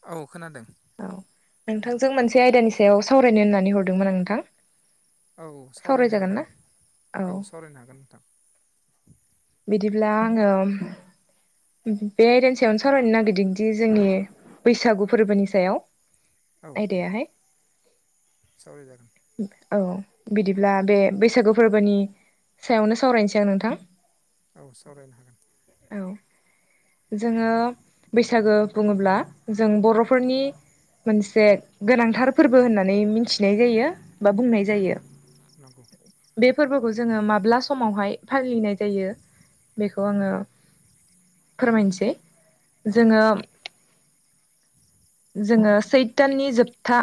औ खोनादों औ नोंथांजों मोनसे आयदानि सायाव सावरायनो होननानै हरदोंमोन आं नोंथां औ सावरायनो सावरायजागोन हागोन ना औ सावरायनो हागोन नोंथां बिदिब्ला आङो बे आयदानि सायावनो सावरायनो नागिरदोंदि जोंनि बैसागु फोरबोनि सायाव औ औ। आयदायाहाय सावरायजागोन औ बिदिब्ला बे बैसागु फोरबोनि सायावनो सावरायनोसै आं नोंथां औ सावरायनो हागोन औ जोङो बैसागो बुङोब्ला जों बर'फोरनि मोनसे गोनांथार फोरबो होननानै मिथिनाय जायो बा बुंनाय नंगौ जायो। नंगौ बे फोरबोखौ जोङो माब्ला समावहाय फालिनाय जायो बेखौ आङो फोरमायनोसै औ जोङो जोङो सैथाननि जोबथा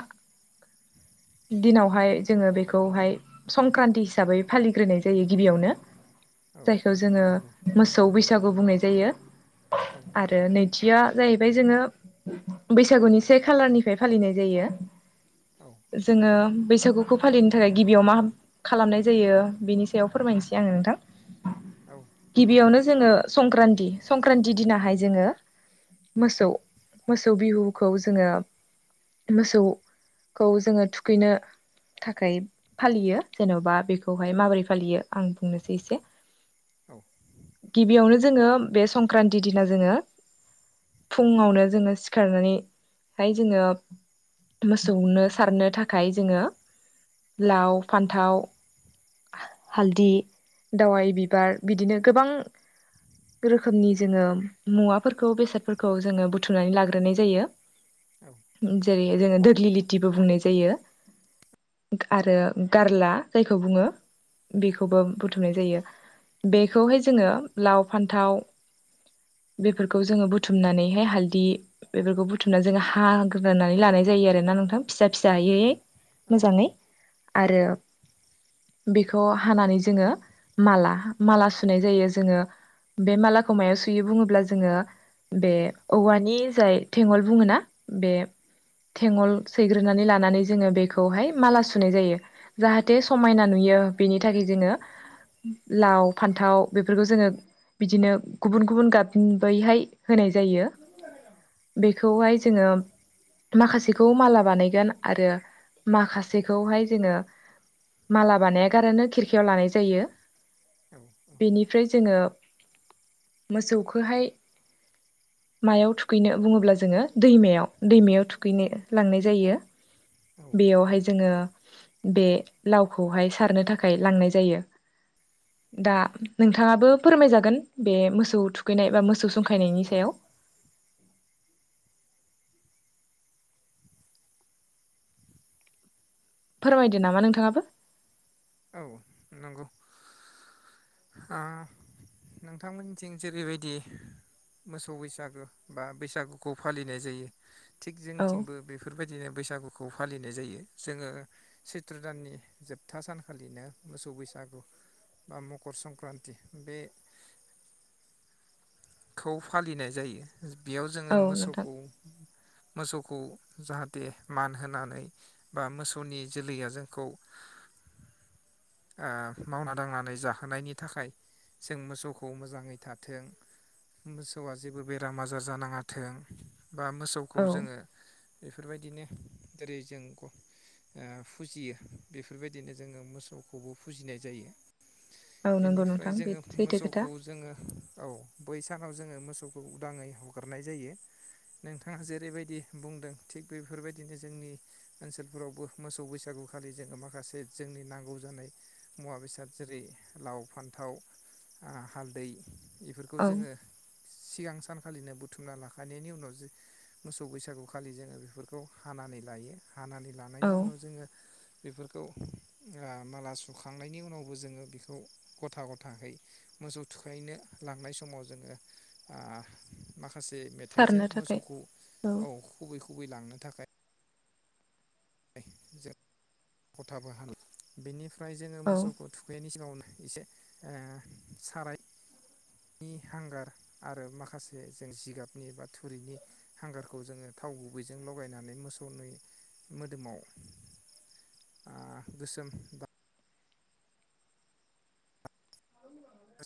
दिनावहाय जोङो बेखौहाय संक्रान्ति हिसाबै फालिग्रोनाय जायो गिबियावनो औ जायखौ औ जोङो नंगौ मोसौ बैसागु बुंनाय जायो औ आरो नैथिया जाहैबाय जोङो बैसागुनि से खालारनिफ्राय फालिनाय जायो। औ जोङो बैसागुखौ फालिनो थाखाय गिबियाव मा खालामनाय जायो बिनि सायाव फोरमायनोसै आङो नोंथां औ फोरमायगोन गिबियावनो जोङो संक्रान्ति संक्रान्ति दिनाहाय जोङो मोसौ मोसौ बिहुखौ जोङो मोसौ खौ जोङो थुखैनो थाखाय फालियो जेन'बा बेखौहाय माबोरै फालियो आं बुंनोसै एसे औ गिबियावनो जोङो बे संक्रान्ति दिना जोङो फुङावनो जोङो सिखारनानैहाय जोङो मोसौनो सारनो थाखाय जोङो लाव फान्थाव हालदि दावाइ बिबार बिदिनो गोबां रोखोमनि जोङो मुवाफोरखौ बेसादफोरखौ जोङो बुथुमनानै लाग्रोनाय जायो। औ जेरै जोङो दोग्लिलितिबो बुंनाय जायो। आरो गारला जायखौ बुङो बेखौबो बुथुमनाय जायो। बेखौहाय जोङो लाव फान्थाव बेफोरखौ जोङो बुथुमनानैहाय हालदै बेफोरखौ बुथुमनानै जोङो हाग्रोनानै लानाय जायो आरो ना। नोंथां फिसा औ फिसाहायैै मोजाङै आरो बेखौ हानानै जोङो माला माला सुनाय जायो। जोंङो बे मालाखौ मायाव सुयो बुङोब्ला जोङो। बे औवानि जाय थेंगल बुङो ना बे थेंगल सैग्रोनानै लानानै जोङो बेखौहाय माला सुनाय जायो जाहाथे समायना नुयो। बेनि थाखाय जोङो लाव फान्थाव बेफोरखौ जोंङो बिदिनो गुबुन गुबुन गाबनि बैहाय होनाय जायो। बेखौहाय जोङो माखासेखौ माला बानायगोन आरो माखासेखौहाय जोङो। माला बानाया गारानो खिरखियाव लानाय जायो बेनिफ्राय जोङो मोसौखौहाय मायाव थुखैनो बुङोब्ला जोङो दैमायाव दैमायाव थुखैनो लांनाय जायो। बेयावहाय जोङो। बे लावखौहाय सारनो थाखाय लांनाय जायो। दा नोंथाङाबो फोरमायजागोन बे मोसौ थुखैनाय बा मोसौ औ थुखैनायनि सायाव फोरमायदो नामा नोंथाङाबो। औ नंगौ ओ नोंथांमोननिथिं जेरैबायदि मोसौ बैसागु बा बैसागुखौ फालिनाय जायो थिग औ जोंथिंबो बेफोरबा यदिनो बैसागुखौ फालिनाय जायो जोङो सैथ्र दाननि जोबथा सान खालिनो मोसौ बैसागु बा मकर संक्रान्ति बे [inaudible] खौ फालिनाय जायो बेयाव जोङो औ नोंथां मोसौखौ मोसौखौ जाहाथे मान होनानै बा मोसौनि जोलैया जोंखौ [inaudible] ओ मावना दांनानै जाबोनायनि थाखाय जों मोसौखौ मोजाङै थाथों मोसौआ जेबो बेराम आजार जानाङाथों बा मोसौखौ औ जोङो बेफोरबायदिनो जेरै जों ओ फुजियो बेफोरबायदिनो जोङो मोसौखौबो फुजिनाय जायो। औ नंगौ बेनिफ्राय नोंथां बे जोङो सैथो खोथा मोसौखौ जोङो औ। बै सानाव जोङो मोसौखौ उदाङै हगारनाय जायो नोंथाङा जेरैबायदि बुंदों थिग बेफोरबायदिनो जोंनि ओनसोलफोरावबो मोसौ बैसागु खालि जोङो माखासे जोंनि नांगौ जानाय मुवा बेसाद जेरै लाव फान्थाव हालदै औ बेफोरखौ जोङो सिगां सानखालिनो बुथुमना लाखानायनायनि उनाव मोसौ बैसागुखालि जोङो बेफोरखौ हान हानानै लायो हानानै औ लानायनि उनाव जोङो बेफोरखौ ओ माला सुखांनायनि उनावबो जोङो बेखौ गथा गथै मोसौ थुखैनो लांनाय समाव जोङो ओ माखा माखासे मेथाइजों सारनो थाखाय मोसौखौ औ खुबै खुबै लांनो थाखाय जों खथाबो हा बेनिफ्राय जोङो औ मोसौखौ थुखैनायनि सिगाङावनो एसे ओ साराय नि हांगार आरो माखासे जों जिगाबनि बा थुरिनि हांगारखौ जोङो। थाव गुबैजों लगायनानै मोसौनि मोदोमाव गोसोम दा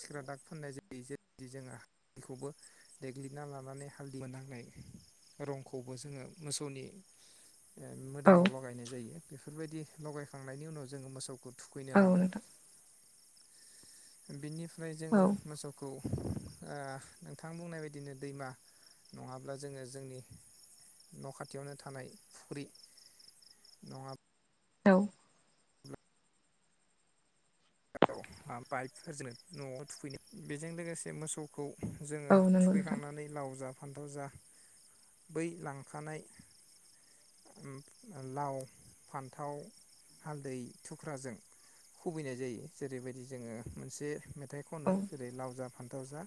सिख्रा दाग फोननाय जायो जेरैदि जोङो हखौबो देग्लिना लानानै हालदै मोनहांनाय [inaudible] रंखौबो जोङो मोसौनि औ मोदोमाव लगायनाय जायो बेफोरबायदि लगायखांनायनि उनाव जोङो मोसौखौ थुखैनो औ लाङो नोंथां बिनिफ्राय जोङो औ मोसौखौ ओ नोंथां बुंनाय बायदिनो दैमा नङाब्ला जोङो जोंनि न' खाथियावनो थानाय फुख्रि नङाब्ला औ पाइपफोरजोंनो न'आव थुखैनाय बेजों लोगोसे मोसौखौ औ जोङो नंगौ नोंथां थुखैखांनानै लावजा फान्थाव जा बै लांखानाय लाव फान्थाव हालदै थुख्राजों खुबैनाय जायो जेरैबायदि जोङो मोनसे मेथाइ खनो औ जेरै लावजा फान्थाव जा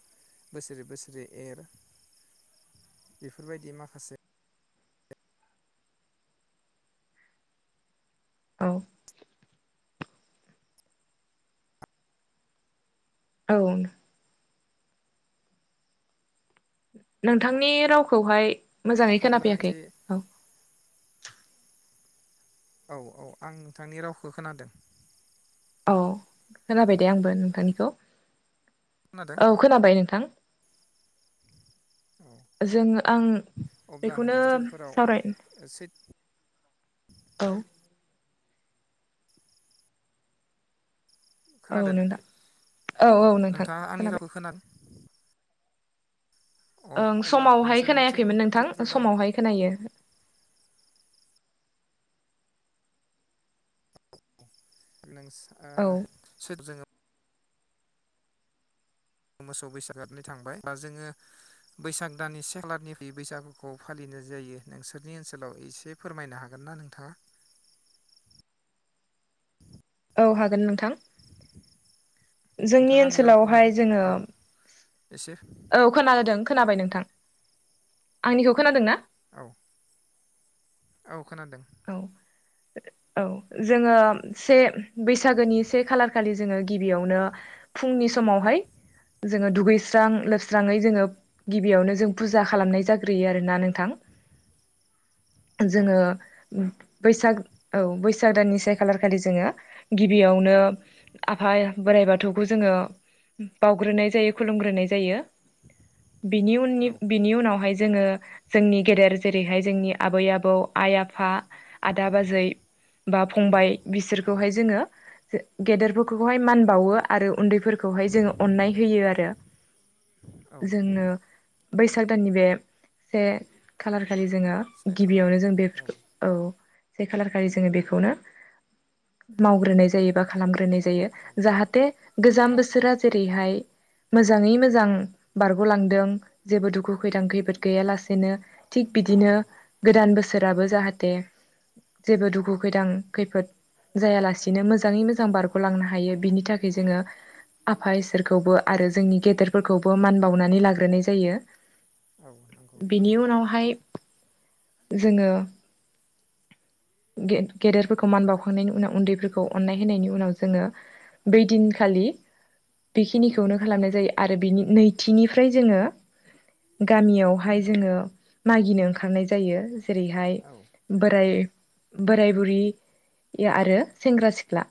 बोसोरे बोसोरै एर बेफोरबायदि माखासे औ औ नोंथांनि रावखौहाय मोजाङै अब्ला खोनाफैयाखै एसे औ औ औ आं नोंथांनि रावखौ खोनादों। औ खोनाबाय दे आंबो नोंथांनिखौ खोनादों औ खोनाबाय नोंथां। औ जोङो आं अब्ला नोंथां बेखौनो ओनसोलफोराव सावराय सैथ औ। औ खोनादों नोंथां औ औ नोंथां नोंथाङा आंनि खोनाबाय। रावखौ खोनादों अ ओं अब्ला समावहाय नोंसोरनिथिं खोनायाखैमोन नोंथां सैत्र' दान समावहाय खोनायो। नों औ जोङो मोसौ बैसाग थांबाय बा जोङो बैसाग दाननि से खालाारनिफ्राय बैसागुखौ फालिनो बे जायो नोंसोरनि ओनसोलाव एसे फोरमायनो हागोन ना नोंथाङा? औ हागोन नोंथां जोंनि नोंथाङा आंनि रावखौ ओनसोलावहाय खोनादों जोङो औ एसे औ खोनादों खोनाबाय नोंथां आंनिखौ खोनादों ना? औ। औ खोनादों। औ औ जोङो से बैसागोनि से खालारखालि जोङो गिबियावनो फुंनि समावहाय जोङो दुगैस्रां लोबस्राङै जोङो गिबियावनो जों फुजा खालामनाय जाग्रोयो आरोना नोंथां। औ जोङो बैसाग औ बैसाग दाननि से खालारखालि जोङो गिबियावनो आफा बोराइ बाथौखौ जोङो बावउग्रोनाय जायो खुलुमग्रोनाय जायो। बिनि उननि औ बिनि उनावहाय जोङो जोंनि गेदेर जेरैहाय जोंनि आबै आबौ, आइ आफा आदा बाजै बा फंबाय बिसोरखौहाय औ जोङो गेदेरफोरखौहाय मान बावो आरो उन्दैफोरखौहाय जोङो अननाय होयो आरो। औ जोंनो बैसाग दाननि बे से खालार खालि जोङो से खालार गिबियावनो जों खालि औ बेफोरखौ औ से खालार खालि जोङो बेखौनो मावग्रोनाय जायो बा खालामग्रोनाय जायो औ जाहाथे गोजाम बोसोरा जेरैहाय मोजाङै मोजां बारग'लांदों जेबो दुखु खैदां खैफोद गैयालासेनो थिग बिदिनो औ गोदान बोसोराबो जाहाथे जेबो दुखु खैदां खैफोद जायालासिनो मोजाङै मोजां बारग'लांनो हायो बिनि थाखाय जोङो आफा इसोरखौबो आरो जोंनि गेदेरफोरखौबो मान बावनानै लाग्रोनाय जायो। औ नंगौ बेनि उनावहाय जोङो गे-गेदेरफोरखौ मान बावखांनायनि उनाव उन्दैफोरखौ अननाय होनायनि उनाव जोङो बै दिनखालि औ बेखिनिखौनो खालामनाय जायो। आरो बिनि नैथिनिफ्राय जोङो गामियावहाय जोङो मागिनो ओंखारनाय जायो जेरैहाय औ बे बोराय बुरि आरो सेंग्रा सिख्ला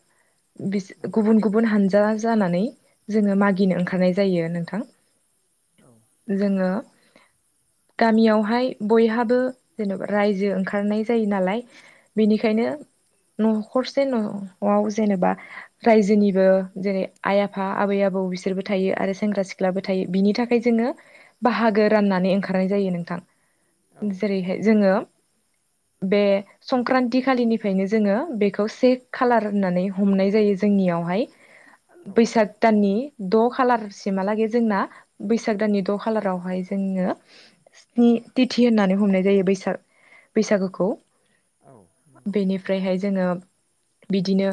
बिस औ गुबुन गुबुन हानजा जानानै जोङो मागिनो ओंखारनाय जायो नोंथां। जोङो गामियावहाय बयहाबो जेन'बा रायजो ओंखारनाय जायो नालाय बेनिखायनो न' हरसे न'आव जेनेबा रायजोनिबो जेरै- आइ आफा आबै आबौ बिसोरबो थां थायो आरो सेंग्रा सिख्लाबो थायो बिनि थाखाय जोङो बाहागो राननानै ओंखारनाय जायो नोंथां। जेरैहाय जोङो बे संक्रान्ति खालिनिफ्रायनो जोङो बेखौ से खालार होननानै हमनाय जायो जोंनिया यावहाय बैसाग दाननि द' खालारसिहालागै जोंना बैसाग दाननि द' खालारावहाय जोङो स्नि तिथि होननानै हमनाय जायो बैसाग बैसागो खौ औ नंगौ बेनिफ्रायहाय जोङो बिदिनो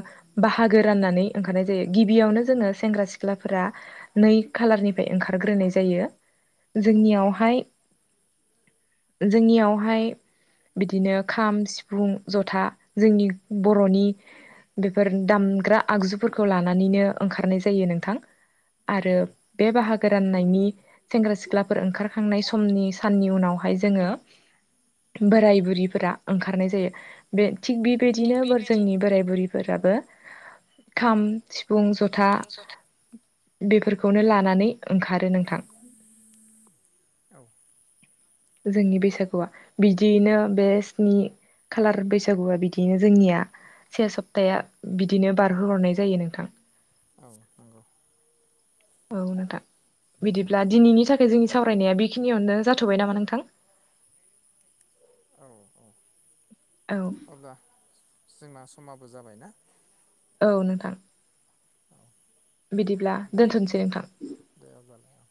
बाहागो राननानै ओंखारनाय जायो गिबियावनो जोङो सेंग्रा सिख्लाफोरा नै खाालारनिफ्राय ओंखारग्रोनाय जायो। औ जोंनियावहाय जोंनियावहाय बिदि नो खाम सिफुं जथा जोंनि बर'नि बेफोर औ दामग्रा आगजुफोरखौ लानानैनो ओंखारनाय जायो नोंथां। आरो नंगौ बे बाहागो रान नायनि सेंग्रा सिख्लाफोर ओंखारखांनाय समनि साननि उनावहाय जोङो बोराय बुरिफोरा ओंखारनाय जायो बे थिग थिग बेबायदिनो बेबायदि जोंनि बोराय बुरै फोराबो खाम सिफुं जथा जथा बेफोरखौनो औ लानानै ओंखार खारो नोंथां औ जोंनि बैसागुआ बिदियैनो बे स्नि खाालार बैसागुआ बिदिनो जोंनिया से सप्ता बिदिनो बारहोहरनाय जायो नोंथां औ नंगौ औ नोंथां। बिदिब्ला दिनैनि थाखाय जोंनि सावरायनाया बेखिनियावनो जाथ'बाय नामा नोंथां। [unintelligible] औ औ औ अब्ला जोंना समाबो जाबायना। औ नोंथां बिदिब्ला दे दोनथ'सै नोंथां। दे अब्लालाय औ